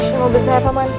kalau bersih apa man